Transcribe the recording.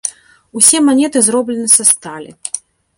Усе манеты зроблены са сталі.